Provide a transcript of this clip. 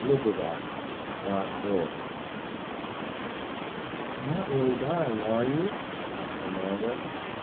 LAURA "You are not really dying, are you?" asked Amanda.